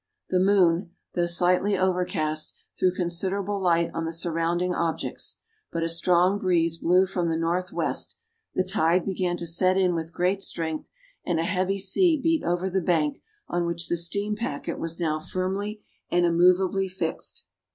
The moon, though slightly overcast, threw considerable light on the surrounding objects. But a strong breeze blew from the north west, the tide began to set in with great strength, and a heavy sea beat over the bank on which the steam packet was now firmly and immovably fixed.